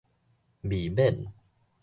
未免